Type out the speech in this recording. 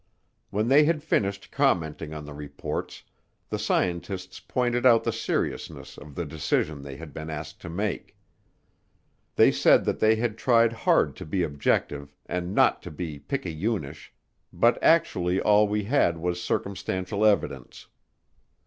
When they had finished commenting on the reports, the scientists pointed out the seriousness of the decision they had been asked to make. They said that they had tried hard to be objective and not to be picayunish, but actually all we had was circumstantial evidence.